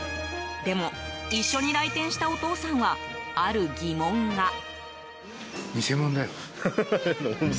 でも、一緒に来店したお父さんはある疑問が。